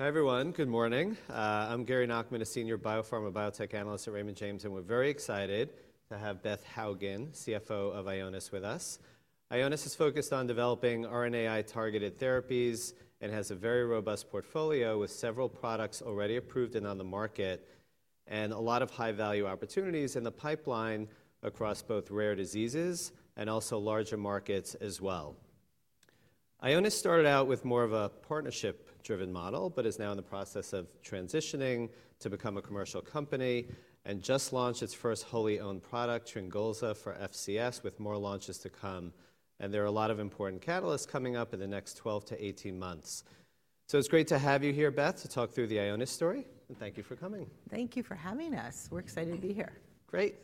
Hi everyone, good morning. I'm Gary Nachman, a Senior BioPharma Biotech Analyst at Raymond James, and we're very excited to have Beth Hougen, CFO of Ionis with us. Ionis is focused on developing RNAi-targeted therapies and has a very robust portfolio with several products already approved and on the market, and a lot of high-value opportunities in the pipeline across both rare diseases and also larger markets as well. Ionis started out with more of a partnership-driven model but is now in the process of transitioning to become a commercial company and just launched its first wholly owned product, TRYNGOLZA, for FCS, with more launches to come, and there are a lot of important catalysts coming up in the next 12 to 18 months, so it's great to have you here, Beth, to talk through the Ionis story, and thank you for coming. Thank you for having us. We're excited to be here. Great.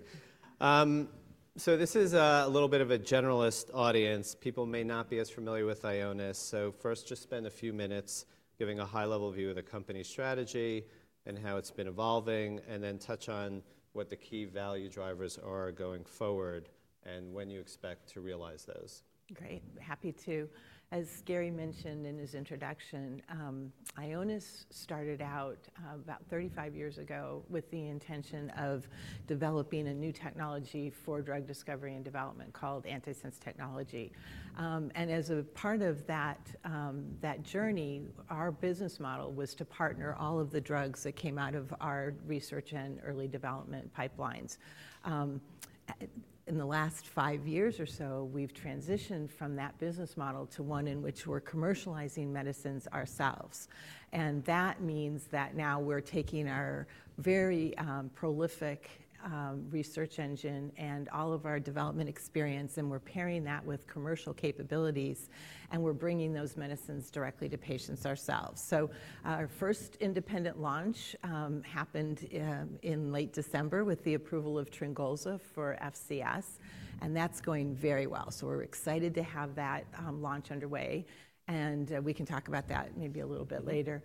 So this is a little bit of a generalist audience. People may not be as familiar with Ionis. So first, just spend a few minutes giving a high-level view of the company's strategy and how it's been evolving, and then touch on what the key value drivers are going forward and when you expect to realize those. Great. Happy to. As Gary mentioned in his introduction, Ionis started out about 35 years ago with the intention of developing a new technology for drug discovery and development called Antisense Technology. And as a part of that journey, our business model was to partner all of the drugs that came out of our research and early development pipelines. In the last five years or so, we've transitioned from that business model to one in which we're commercializing medicines ourselves. And that means that now we're taking our very prolific research engine and all of our development experience, and we're pairing that with commercial capabilities, and we're bringing those medicines directly to patients ourselves. So our first independent launch happened in late December with the approval of TRYNGOLZA for FCS, and that's going very well. We're excited to have that launch underway, and we can talk about that maybe a little bit later.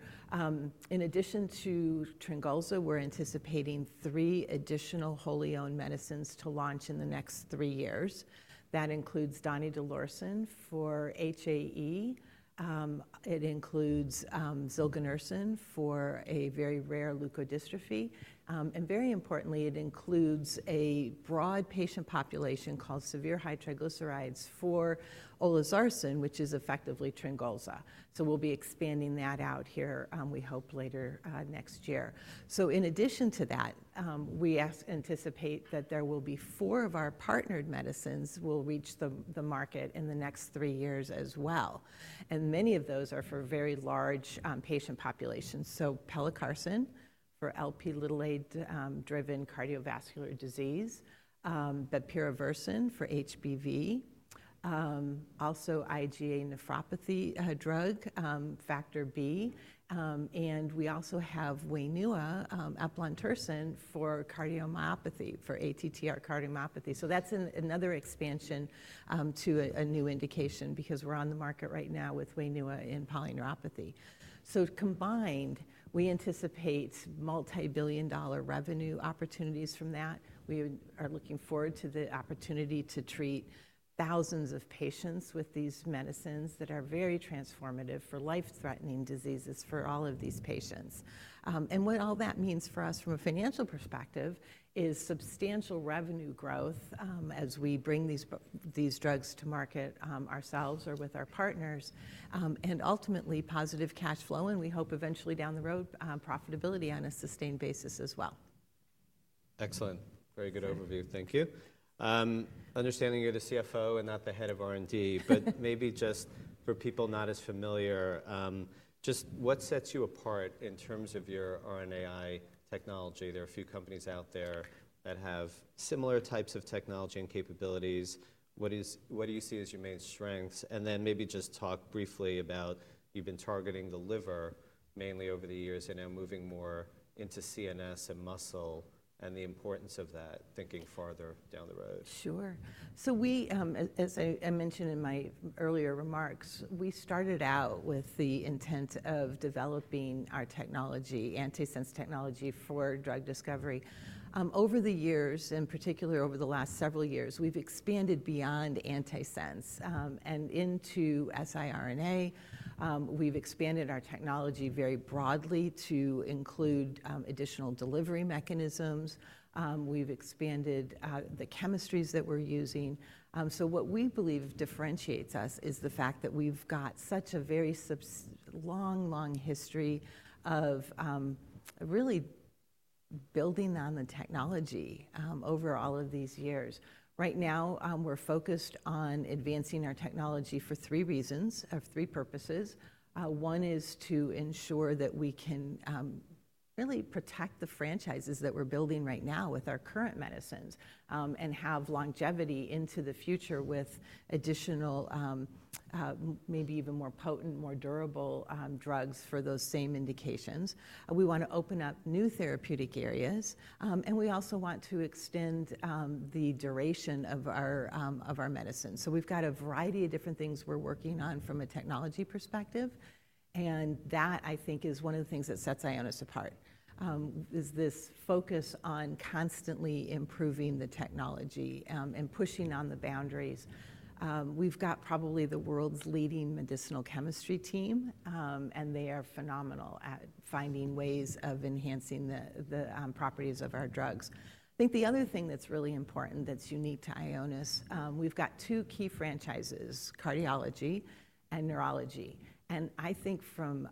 In addition to TRYNGOLZA, we're anticipating three additional wholly owned medicines to launch in the next three years. That includes donidalorsen for HAE. It includes zilganersen for a very rare leukodystrophy. And very importantly, it includes a broad patient population called severe high triglycerides for olezarsen, which is effectively TRYNGOLZA. We'll be expanding that out here, we hope, later next year. In addition to that, we anticipate that there will be four of our partnered medicines that will reach the market in the next three years as well. And many of those are for very large patient populations. Pelacarsen for Lp(a)-driven cardiovascular disease, bepirovirsen for HBV, also IgA Nephropathy drug, Factor B. And we also have WAINUA eplontersen for cardiomyopathy, for ATTR cardiomyopathy. That's another expansion to a new indication because we're on the market right now with WAINUA in polyneuropathy. Combined, we anticipate multi-billion-dollar revenue opportunities from that. We are looking forward to the opportunity to treat thousands of patients with these medicines that are very transformative for life-threatening diseases for all of these patients. What all that means for us from a financial perspective is substantial revenue growth as we bring these drugs to market ourselves or with our partners, and ultimately positive cash flow, and we hope eventually down the road profitability on a sustained basis as well. Excellent. Very good overview. Thank you. Understanding you're the CFO and not the Head of R&D, but maybe just for people not as familiar, just what sets you apart in terms of your RNAi technology? There are a few companies out there that have similar types of technology and capabilities. What do you see as your main strengths? And then maybe just talk briefly about you've been targeting the liver mainly over the years and now moving more into CNS and muscle and the importance of that thinking farther down the road. Sure. So we, as I mentioned in my earlier remarks, we started out with the intent of developing our technology, antisense technology, for drug discovery. Over the years, in particular over the last several years, we've expanded beyond Antisense and into siRNA. We've expanded our technology very broadly to include additional delivery mechanisms. We've expanded the chemistries that we're using. So, what we believe differentiates us is the fact that we've got such a very long, long history of really building on the technology over all of these years. Right now, we're focused on advancing our technology for three reasons, or three purposes. One is to ensure that we can really protect the franchises that we're building right now with our current medicines and have longevity into the future with additional, maybe even more potent, more durable drugs for those same indications. We want to open up new therapeutic areas, and we also want to extend the duration of our medicines. So we've got a variety of different things we're working on from a technology perspective. And that, I think, is one of the things that sets Ionis apart, is this focus on constantly improving the technology and pushing on the boundaries. We've got probably the world's leading medicinal chemistry team, and they are phenomenal at finding ways of enhancing the properties of our drugs. I think the other thing that's really important that's unique to Ionis, we've got two key franchises, cardiology and neurology. And I think from,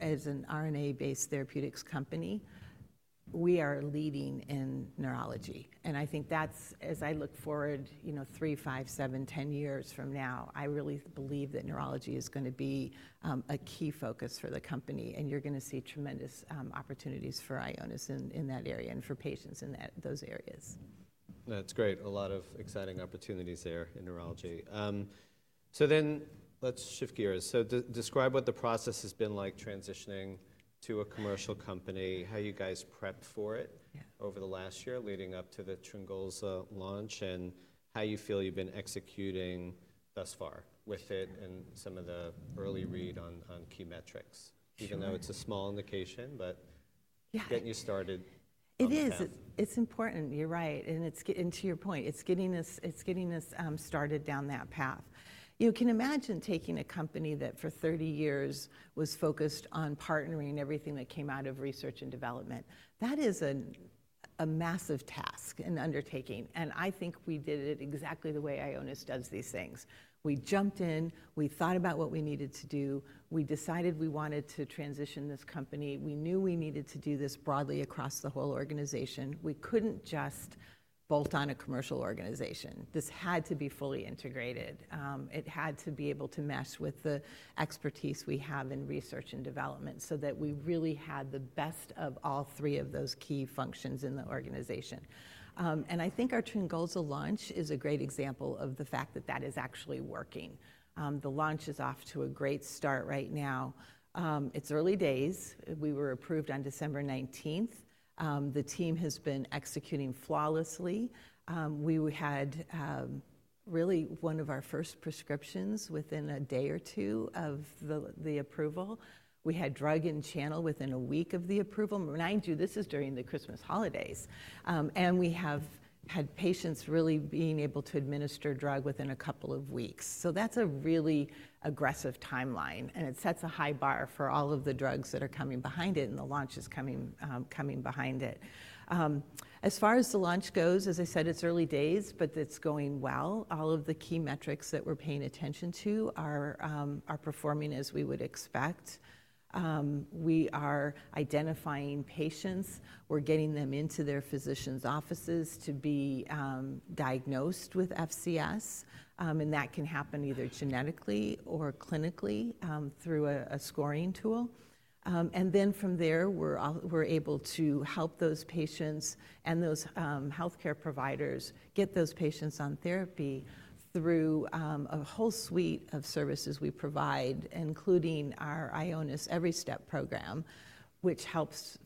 as an RNA-based therapeutics company, we are leading in neurology. I think that's, as I look forward, you know, three, five, seven, 10 years from now, I really believe that neurology is going to be a key focus for the company, and you're going to see tremendous opportunities for Ionis in that area and for patients in those areas. That's great. A lot of exciting opportunities there in neurology. So then let's shift gears. So describe what the process has been like transitioning to a commercial company, how you guys prepped for it over the last year leading up to the TYRNGOLZA launch, and how you feel you've been executing thus far with it and some of the early read on key metrics, even though it's a small indication, but getting you started? It is. It's important. You're right, and to your point, it's getting us started down that path. You can imagine taking a company that for 30 years was focused on partnering everything that came out of research and development. That is a massive task and undertaking, and I think we did it exactly the way Ionis does these things. We jumped in, we thought about what we needed to do, we decided we wanted to transition this company, we knew we needed to do this broadly across the whole organization. We couldn't just bolt on a commercial organization. This had to be fully integrated. It had to be able to mesh with the expertise we have in research and development so that we really had the best of all three of those key functions in the organization. I think our TRYNGOLZA launch is a great example of the fact that that is actually working. The launch is off to a great start right now. It's early days. We were approved on December 19th. The team has been executing flawlessly. We had really one of our first prescriptions within a day or two of the approval. We had drug in channel within a week of the approval. Remind you, this is during the Christmas holidays. We have had patients really being able to administer drug within a couple of weeks. That's a really aggressive timeline, and it sets a high bar for all of the drugs that are coming behind it, and the launch is coming behind it. As far as the launch goes, as I said, it's early days, but it's going well. All of the key metrics that we're paying attention to are performing as we would expect. We are identifying patients. We're getting them into their physician's offices to be diagnosed with FCS, and that can happen either genetically or clinically through a scoring tool. And then from there, we're able to help those patients and those healthcare providers get those patients on therapy through a whole suite of services we provide, including our Ionis Every Step program, which helps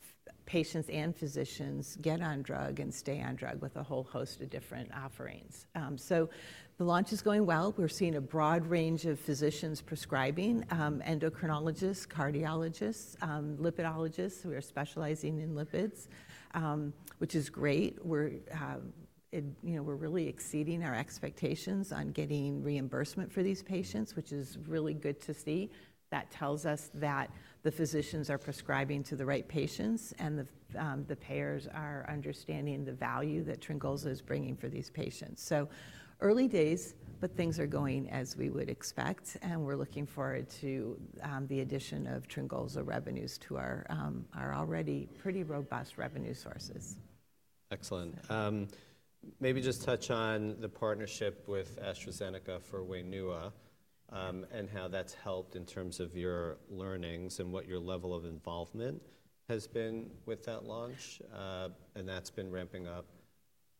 patients and physicians get on drug and stay on drug with a whole host of different offerings. So the launch is going well. We're seeing a broad range of physicians prescribing: endocrinologists, cardiologists, lipidologists. We are seeing specialists in lipids, which is great. We're really exceeding our expectations on getting reimbursement for these patients, which is really good to see. That tells us that the physicians are prescribing to the right patients and the payers are understanding the value that TRYNGOLZA is bringing for these patients. So early days, but things are going as we would expect, and we're looking forward to the addition of TRYNGOLZA revenues to our already pretty robust revenue sources. Excellent. Maybe just touch on the partnership with AstraZeneca for WAINUA and how that's helped in terms of your learnings and what your level of involvement has been with that launch. And that's been ramping up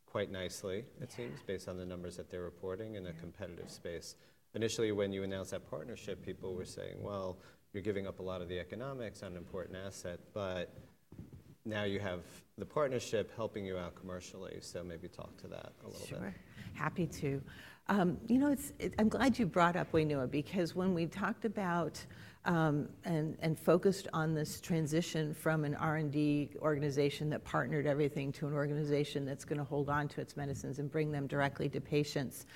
quite nicely, it seems, based on the numbers that they're reporting in a competitive space. Initially, when you announced that partnership, people were saying, "Well, you're giving up a lot of the economics on an important asset," but now you have the partnership helping you out commercially. So maybe talk to that a little bit. Sure. Happy to. You know, I'm glad you brought up WAINUA because when we talked about and focused on this transition from an R&D organization that partnered everything to an organization that's going to hold on to its medicines and bring them directly to patients,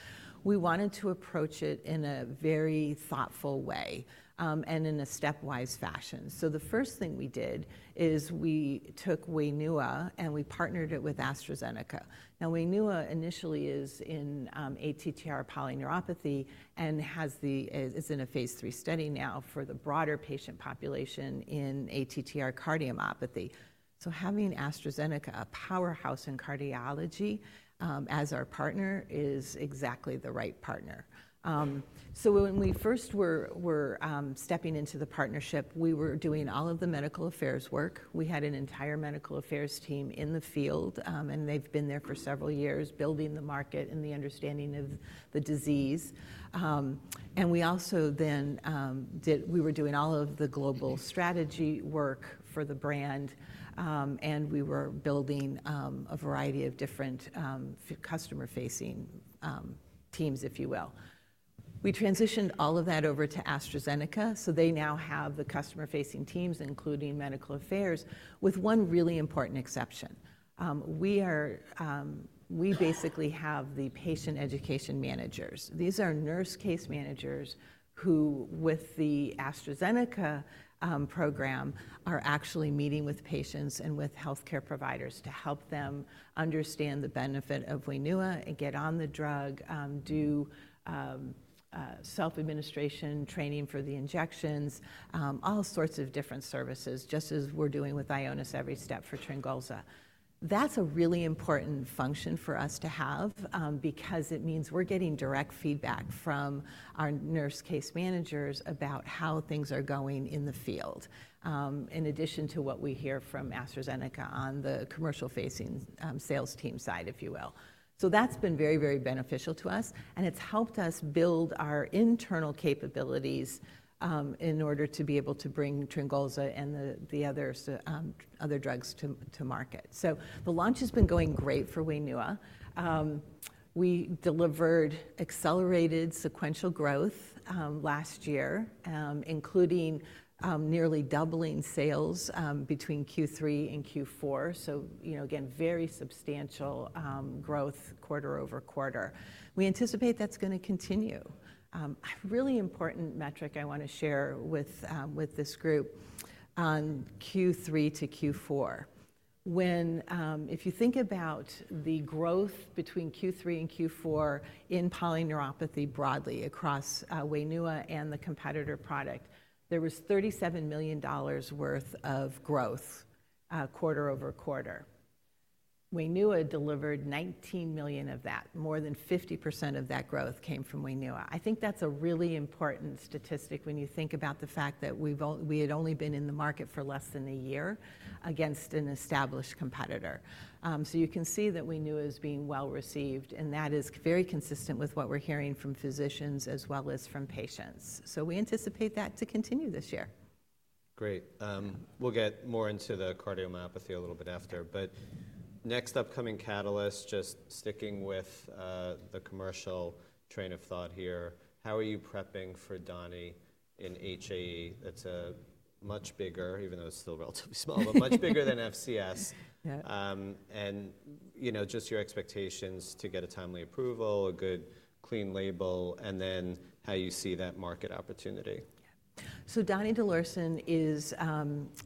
we wanted to approach it in a very thoughtful way and in a stepwise fashion. So the first thing we did is we took WAINUA and we partnered it with AstraZeneca. Now, WAINUA initially is in ATTR polyneuropathy and is in a phase III study now for the broader patient population in ATTR cardiomyopathy. So having AstraZeneca, a powerhouse in cardiology as our partner, is exactly the right partner. So when we first were stepping into the partnership, we were doing all of the medical affairs work. We had an entire medical affairs team in the field, and they've been there for several years building the market and the understanding of the disease. And we also then did, we were doing all of the global strategy work for the brand, and we were building a variety of different customer-facing teams, if you will. We transitioned all of that over to AstraZeneca. So they now have the customer-facing teams, including medical affairs, with one really important exception. We basically have the patient education managers. These are nurse case managers who, with the AstraZeneca program, are actually meeting with patients and with healthcare providers to help them understand the benefit of WAINUA and get on the drug, do self-administration training for the injections, all sorts of different services, just as we're doing with Ionis Every Step for TRYNGOLZA. That's a really important function for us to have because it means we're getting direct feedback from our nurse case managers about how things are going in the field, in addition to what we hear from AstraZeneca on the commercial-facing sales team side, if you will. So that's been very, very beneficial to us, and it's helped us build our internal capabilities in order to be able to bring TRYNGOLZA and the other drugs to market. So the launch has been going great for WAINUA. We delivered accelerated sequential growth last year, including nearly doubling sales between Q3 and Q4. So, you know, again, very substantial growth quarter over quarter. We anticipate that's going to continue. A really important metric I want to share with this group on Q3 to Q4. If you think about the growth between Q3 and Q4 in polyneuropathy broadly across WAINUA and the competitor product, there was $37 million worth of growth quarter over quarter. WAINUA delivered $19 million of that. More than 50% of that growth came from WAINUA. I think that's a really important statistic when you think about the fact that we had only been in the market for less than a year against an established competitor. So you can see that WAINUA is being well received, and that is very consistent with what we're hearing from physicians as well as from patients. So we anticipate that to continue this year. Great. We'll get more into the cardiomyopathy a little bit after. But next upcoming catalyst, just sticking with the commercial train of thought here, how are you prepping for doni in HAE? That's a much bigger, even though it's still relatively small, but much bigger than FCS. And, you know, just your expectations to get a timely approval, a good clean label, and then how you see that market opportunity? Donidalorsen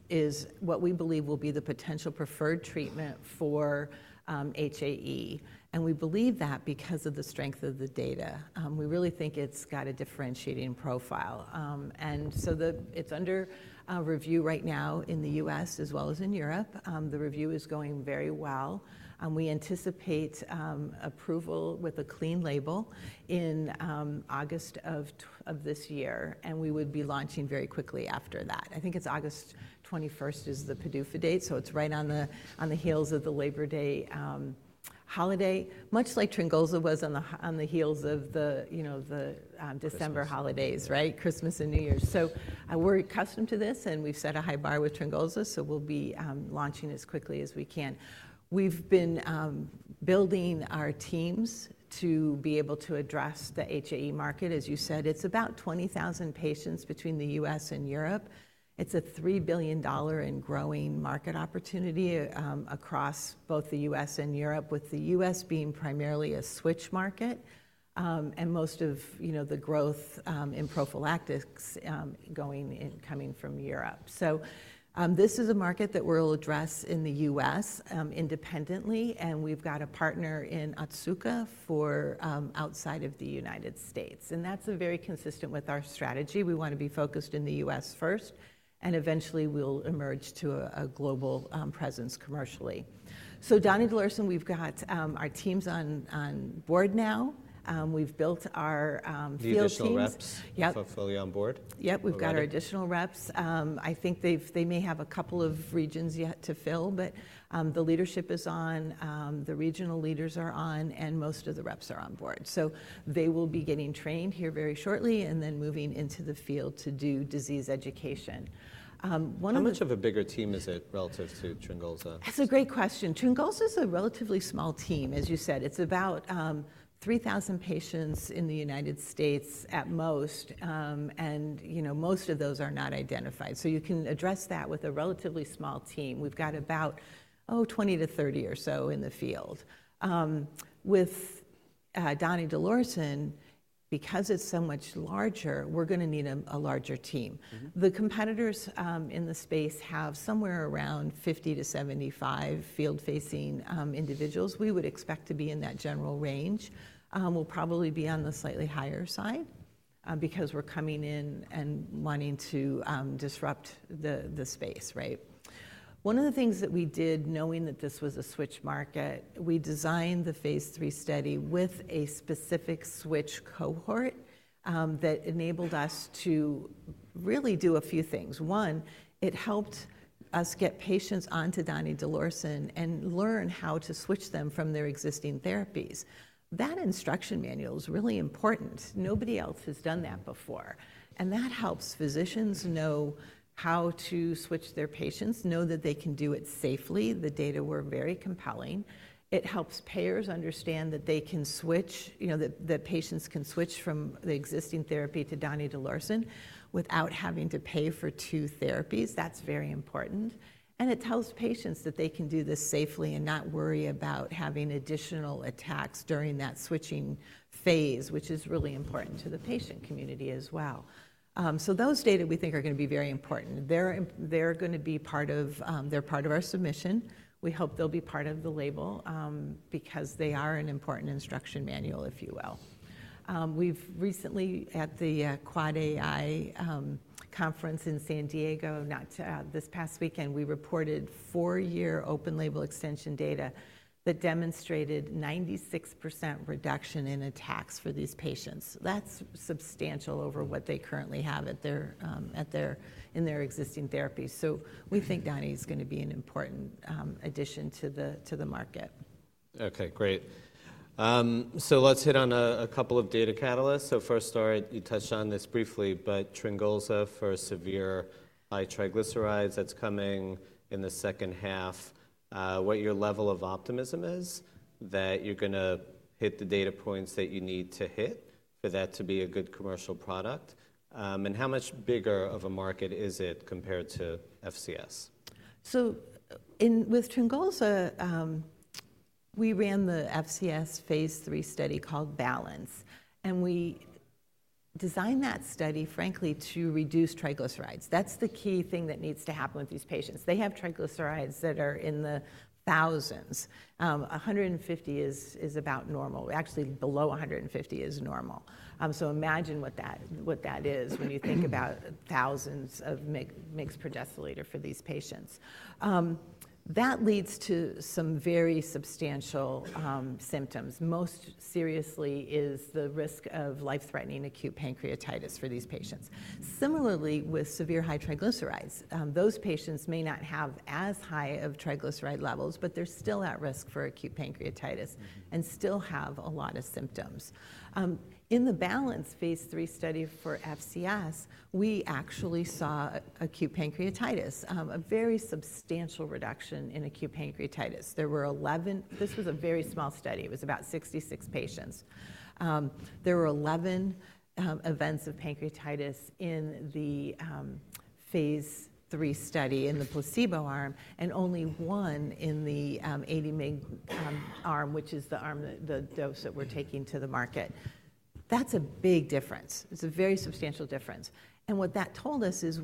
is what we believe will be the potential preferred treatment for HAE. We believe that because of the strength of the data. We really think it's got a differentiating profile. It's under review right now in the U.S. as well as in Europe. The review is going very well. We anticipate approval with a clean label in August of this year, and we would be launching very quickly after that. I think it's August 21st is the PDUFA date, so it's right on the heels of the Labor Day holiday, much like TRYNGOLZA was on the heels of the December holidays, right? Christmas and New Year's. We're accustomed to this, and we've set a high bar with TRYNGOLZA, so we'll be launching as quickly as we can. We've been building our teams to be able to address the HAE market. As you said, it's about 20,000 patients between the U.S. and Europe. It's a $3 billion in growing market opportunity across both the U.S. and Europe, with the U.S. being primarily a switch market and most of the growth in prophylactics coming from Europe. So this is a market that we'll address in the U.S. independently, and we've got a partner in Otsuka outside of the United States. And that's very consistent with our strategy. We want to be focused in the U.S. first, and eventually we'll emerge to a global presence commercially. So donidalorsen, we've got our teams on board now. We've built our field teams. The additional reps. You're fully on board? Yep. We've got our additional reps. I think they may have a couple of regions yet to fill, but the leadership is on, the regional leaders are on, and most of the reps are on board. So they will be getting trained here very shortly and then moving into the field to do disease education. How much of a bigger team is it relative to TRYNGOLZA? That's a great question. TRYNGOLZA is a relatively small team, as you said. It's about 3,000 patients in the United States at most, and most of those are not identified. So you can address that with a relatively small team. We've got about, oh, 20 to 30 or so in the field. With donidalorsen, because it's so much larger, we're going to need a larger team. The competitors in the space have somewhere around 50 to 75 field-facing individuals. We would expect to be in that general range. We'll probably be on the slightly higher side because we're coming in and wanting to disrupt the space, right? One of the things that we did, knowing that this was a switch market, we designed the phase III study with a specific switch cohort that enabled us to really do a few things. One, it helped us get patients onto donidalorsen and learn how to switch them from their existing therapies. That instruction manual is really important. Nobody else has done that before, and that helps physicians know how to switch their patients, know that they can do it safely. The data were very compelling. It helps payers understand that they can switch, you know, that patients can switch from the existing therapy to donidalorsen without having to pay for two therapies. That's very important, and it tells patients that they can do this safely and not worry about having additional attacks during that switching phase, which is really important to the patient community as well, so those data we think are going to be very important. They're going to be part of, they're part of our submission. We hope they'll be part of the label because they are an important instruction manual, if you will. We've recently, at the Quad AI conference in San Diego, not this past weekend, we reported four-year open label extension data that demonstrated 96% reduction in attacks for these patients. That's substantial over what they currently have in their existing therapies, so we think doni is going to be an important addition to the market. Okay, great. So let's hit on a couple of data catalysts. So first, you touched on this briefly, but TRYNGOLZA for severe high triglycerides that's coming in the second half. What your level of optimism is that you're going to hit the data points that you need to hit for that to be a good commercial product? And how much bigger of a market is it compared to FCS? With TRYNGOLZA, we ran the FCS phase III study called Balance, and we designed that study, frankly, to reduce triglycerides. That's the key thing that needs to happen with these patients. They have triglycerides that are in the thousands. 150 is about normal. Actually, below 150 is normal. So imagine what that is when you think about thousands of mg/dL for these patients. That leads to some very substantial symptoms. Most seriously is the risk of life-threatening acute pancreatitis for these patients. Similarly, with severe high triglycerides, those patients may not have as high of triglyceride levels, but they're still at risk for acute pancreatitis and still have a lot of symptoms. In the Balance phase III study for FCS, we actually saw a very substantial reduction in acute pancreatitis. There were 11. This was a very small study. It was about 66 patients. There were 11 events of pancreatitis in the phase III study in the placebo arm and only one in the 80 mg arm, which is the dose that we're taking to the market. That's a big difference. It's a very substantial difference. And what that told us is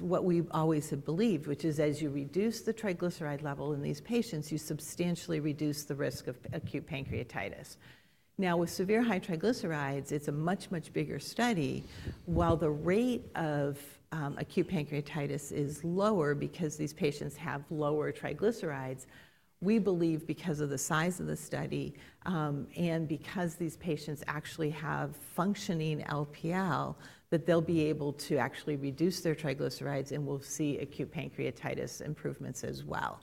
what we've always believed, which is as you reduce the triglyceride level in these patients, you substantially reduce the risk of acute pancreatitis. Now, with severe high triglycerides, it's a much, much bigger study. While the rate of acute pancreatitis is lower because these patients have lower triglycerides, we believe because of the size of the study and because these patients actually have functioning LPL, that they'll be able to actually reduce their triglycerides and we'll see acute pancreatitis improvements as well.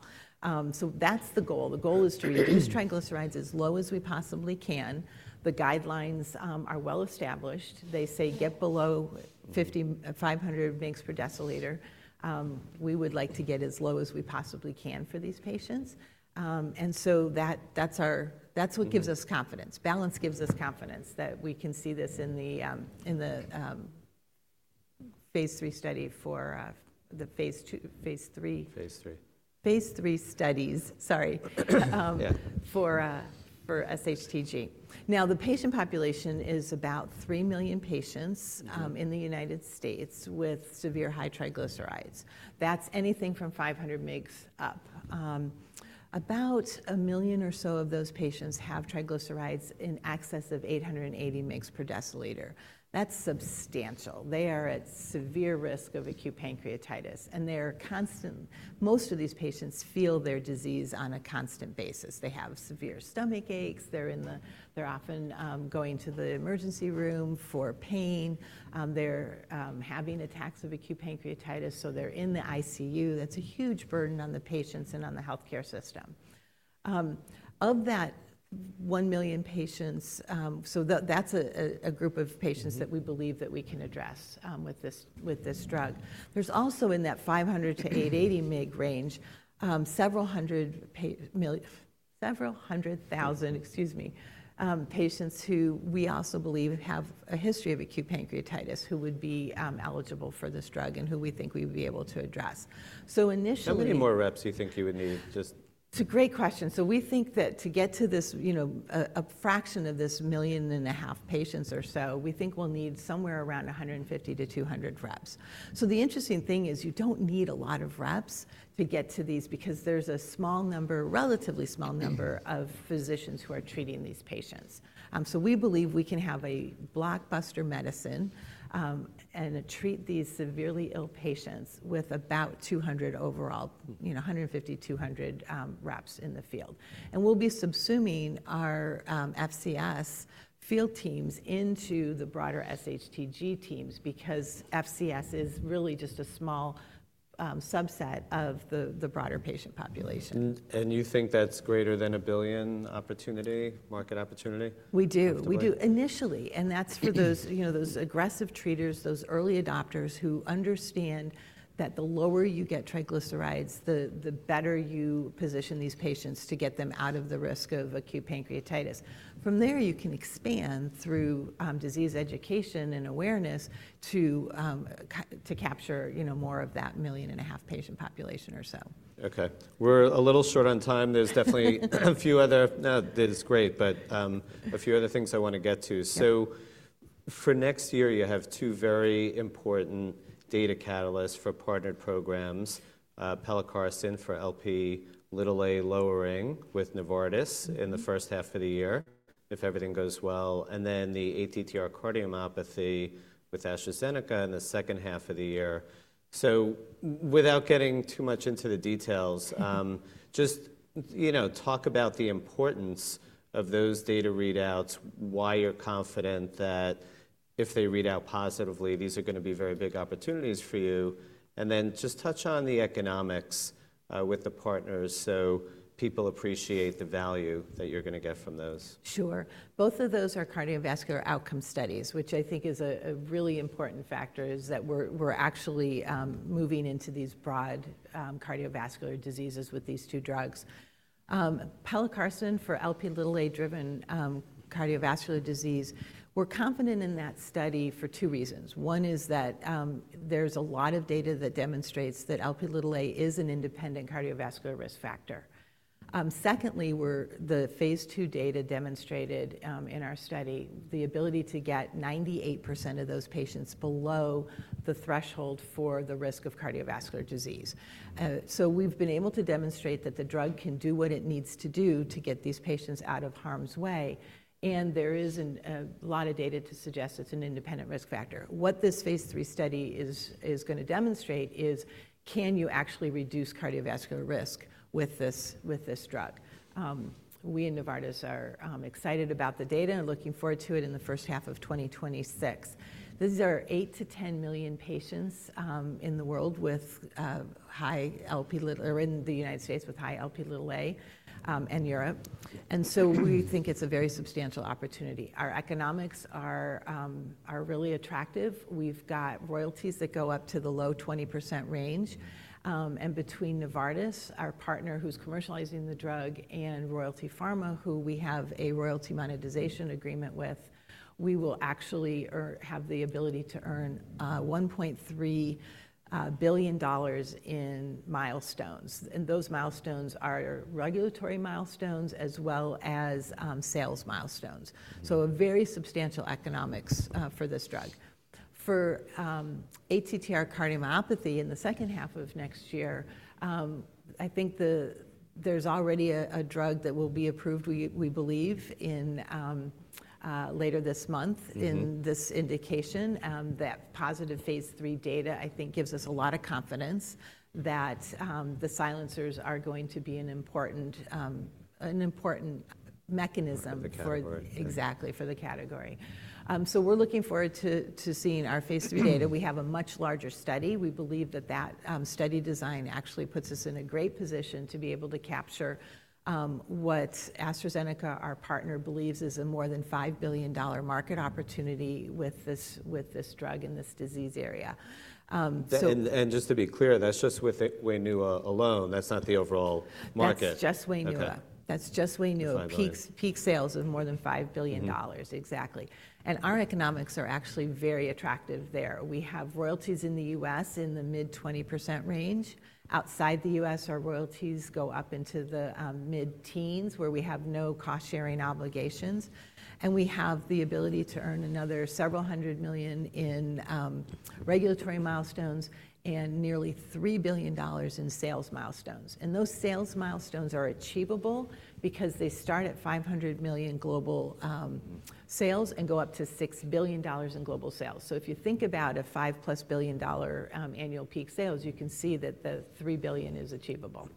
So that's the goal. The goal is to reduce triglycerides as low as we possibly can. The guidelines are well established. They say get below 500 mg/dL. We would like to get as low as we possibly can for these patients. And so that's what gives us confidence. Balance gives us confidence that we can see this in the phase III study for the phase III. Phase III. Phase III studies, sorry, for sHTG. Now, the patient population is about 3 million patients in the United States with severe high triglycerides. That's anything from 500 mg up. About a million or so of those patients have triglycerides in excess of 880 mg/dL. That's substantial. They are at severe risk of acute pancreatitis, and most of these patients feel their disease on a constant basis. They have severe stomach aches. They're often going to the emergency room for pain. They're having attacks of acute pancreatitis, so they're in the ICU. That's a huge burden on the patients and on the healthcare system. Of that 1 million patients, so that's a group of patients that we believe that we can address with this drug. There's also in that 500 mg-880 mg range, several hundred thousand, excuse me, patients who we also believe have a history of acute pancreatitis who would be eligible for this drug and who we think we would be able to address, so initially. How many more reps do you think you would need? Just. It's a great question, so we think that to get to this, you know, a fraction of this 1.5 million patients or so, we think we'll need somewhere around 150-200 reps, so the interesting thing is you don't need a lot of reps to get to these because there's a small number, relatively small number of physicians who are treating these patients, so we believe we can have a blockbuster medicine and treat these severely ill patients with about 200 overall, you know, 150-200 reps in the field, and we'll be subsuming our FCS field teams into the broader sHTG teams because FCS is really just a small subset of the broader patient population. You think that's greater than a billion opportunity, market opportunity? We do. We do initially. And that's for those, you know, those aggressive treaters, those early adopters who understand that the lower you get triglycerides, the better you position these patients to get them out of the risk of acute pancreatitis. From there, you can expand through disease education and awareness to capture, you know, more of that million and a half patient population or so. Okay. We're a little short on time. There's definitely a few other, now this is great, but a few other things I want to get to. So for next year, you have two very important data catalysts for partnered programs. Pelacarsen for Lp(a) lowering with Novartis in the first half of the year if everything goes well. And then the ATTR cardiomyopathy with AstraZeneca in the second half of the year. So without getting too much into the details, just, you know, talk about the importance of those data readouts, why you're confident that if they read out positively, these are going to be very big opportunities for you. And then just touch on the economics with the partners so people appreciate the value that you're going to get from those. Sure. Both of those are cardiovascular outcome studies, which I think is a really important factor is that we're actually moving into these broad cardiovascular diseases with these two drugs. Pelacarsen for Lp(a)-driven cardiovascular disease, we're confident in that study for two reasons. One is that there's a lot of data that demonstrates that Lp(a) is an independent cardiovascular risk factor. Secondly, the phase II data demonstrated in our study the ability to get 98% of those patients below the threshold for the risk of cardiovascular disease. So we've been able to demonstrate that the drug can do what it needs to do to get these patients out of harm's way. And there is a lot of data to suggest it's an independent risk factor. What this phase III study is going to demonstrate is can you actually reduce cardiovascular risk with this drug? We in Novartis are excited about the data and looking forward to it in the first half of 2026. These are 8 to 10 million patients in the world with high Lp(a), or in the United States with high Lp(a), and Europe. And so we think it's a very substantial opportunity. Our economics are really attractive. We've got royalties that go up to the low 20% range. And between Novartis, our partner who's commercializing the drug, and Royalty Pharma, who we have a royalty monetization agreement with, we will actually have the ability to earn $1.3 billion in milestones. And those milestones are regulatory milestones as well as sales milestones. So a very substantial economics for this drug. For ATTR cardiomyopathy in the second half of next year, I think there's already a drug that will be approved, we believe, later this month in this indication. That positive phase III data I think gives us a lot of confidence that the silencers are going to be an important mechanism for. For the category. Exactly, for the category. So we're looking forward to seeing our phase III data. We have a much larger study. We believe that that study design actually puts us in a great position to be able to capture what AstraZeneca, our partner, believes is a more than $5 billion market opportunity with this drug in this disease area. And just to be clear, that's just with WAINUA alone. That's not the overall market. That's just WAINUA. That's just WAINUA. Peak sales of more than $5 billion. Exactly. And our economics are actually very attractive there. We have royalties in the U.S. in the mid-20% range. Outside the U.S., our royalties go up into the mid-teens where we have no cost-sharing obligations. And we have the ability to earn another several hundred million in regulatory milestones and nearly $3 billion in sales milestones. And those sales milestones are achievable because they start at $500 million global sales and go up to $6 billion in global sales. So if you think about a $5+ billion annual peak sales, you can see that the $3 billion is achievable.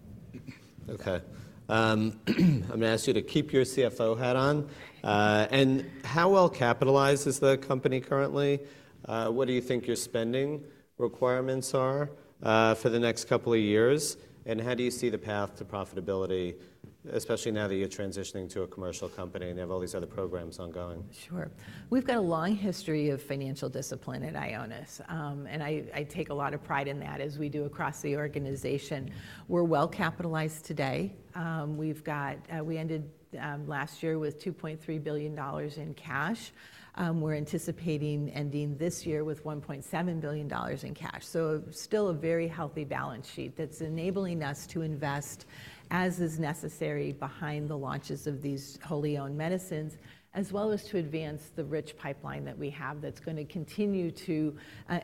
Okay. I'm going to ask you to keep your CFO hat on. And how well capitalized is the company currently? What do you think your spending requirements are for the next couple of years? And how do you see the path to profitability, especially now that you're transitioning to a commercial company and you have all these other programs ongoing? Sure. We've got a long history of financial discipline at Ionis. And I take a lot of pride in that as we do across the organization. We're well capitalized today. We ended last year with $2.3 billion in cash. We're anticipating ending this year with $1.7 billion in cash. So still a very healthy balance sheet that's enabling us to invest as is necessary behind the launches of these wholly owned medicines, as well as to advance the rich pipeline that we have that's going to continue to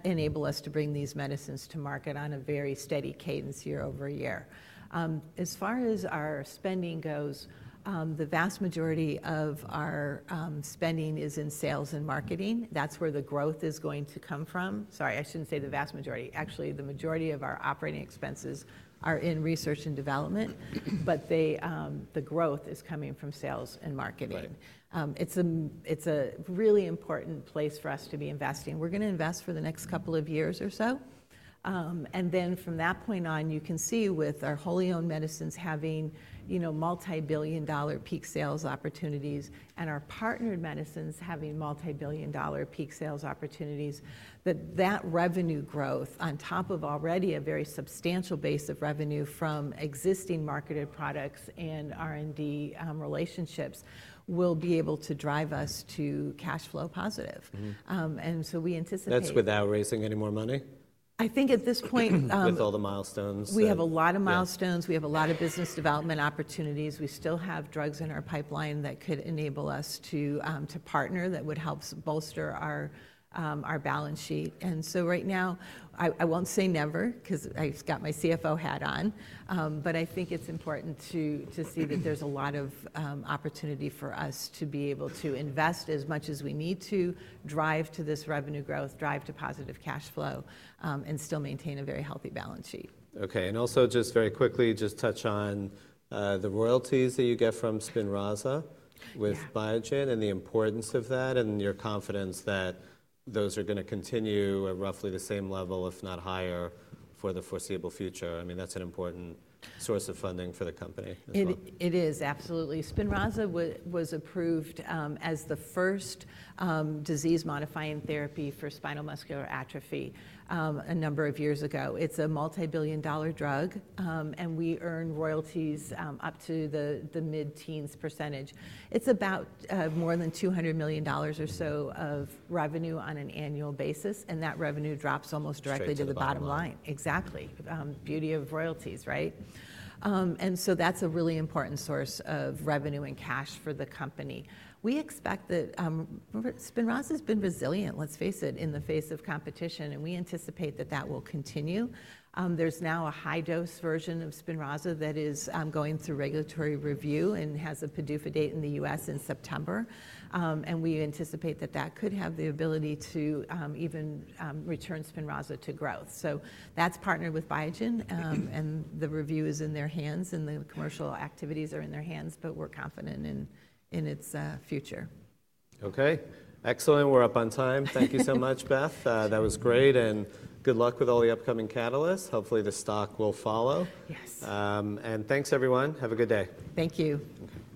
enable us to bring these medicines to market on a very steady cadence year-over-year. As far as our spending goes, the vast majority of our spending is in sales and marketing. That's where the growth is going to come from. Sorry, I shouldn't say the vast majority. Actually, the majority of our operating expenses are in research and development, but the growth is coming from sales and marketing. It's a really important place for us to be investing. We're going to invest for the next couple of years or so. And then from that point on, you can see with our wholly owned medicines having, you know, multi-billion dollar peak sales opportunities and our partnered medicines having multi-billion dollar peak sales opportunities, that that revenue growth on top of already a very substantial base of revenue from existing marketed products and R&D relationships will be able to drive us to cash flow positive, and so we anticipate. That's without raising any more money? I think at this point. With all the milestones. We have a lot of milestones. We have a lot of business development opportunities. We still have drugs in our pipeline that could enable us to partner that would help bolster our balance sheet. And so right now, I won't say never because I've got my CFO hat on, but I think it's important to see that there's a lot of opportunity for us to be able to invest as much as we need to, drive to this revenue growth, drive to positive cash flow, and still maintain a very healthy balance sheet. Okay, and also just very quickly, just touch on the royalties that you get from SPINRAZA with Biogen and the importance of that and your confidence that those are going to continue at roughly the same level, if not higher, for the foreseeable future. I mean, that's an important source of funding for the company as well. It is, absolutely. SPINRAZA was approved as the first disease modifying therapy for Spinal Muscular Atrophy a number of years ago. It's a multi-billion-dollar drug, and we earn royalties up to the mid-teens %. It's about more than $200 million or so of revenue on an annual basis, and that revenue drops almost directly to the bottom line. Exactly. Beauty of royalties, right? And so that's a really important source of revenue and cash for the company. We expect that SPINRAZA has been resilient, let's face it, in the face of competition, and we anticipate that that will continue. There's now a high dose version of SPINRAZA that is going through regulatory review and has a PDUFA date in the U.S. in September. And we anticipate that that could have the ability to even return SPINRAZA to growth. That's partnered with Biogen, and the review is in their hands and the commercial activities are in their hands, but we're confident in its future. Okay. Excellent. We're up on time. Thank you so much, Beth. That was great. And good luck with all the upcoming catalysts. Hopefully the stock will follow. Yes. Thanks everyone. Have a good day. Thank you.